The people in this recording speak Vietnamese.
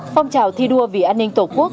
phong trào thi đua vì an ninh tổ quốc